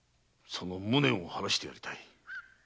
その無念を晴らしてやりたい。